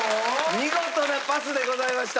見事なパスでございました。